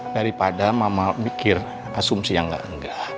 daripada mama mikir asumsi yang enggak enggak